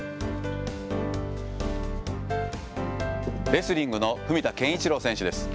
レスリングの文田健一郎選手です。